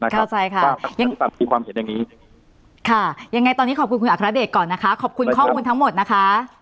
เข้าใจค่ะยังไงตอนนี้ขอบคุณคุณอัครเดชก่อนนะคะขอบคุณข้อมูลทั้งหมดนะคะ